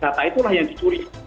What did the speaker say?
data itulah yang dicuri